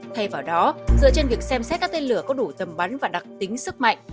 thay vào đó dựa trên việc xem xét các tên lửa có đủ tầm bắn và đặc tính sức mạnh